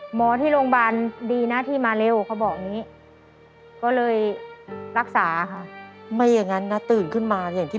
หมอที่โรงพยาบาลดีหน้าที่มาเร็วเขาบอกอย่างนี้